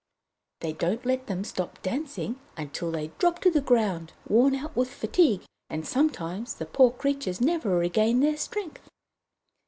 They don't let them stop dancing until they drop to the ground, worn out with fatigue, and sometimes the poor creatures never regain their strength.